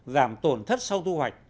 giảm tổn thất sau thu hoạch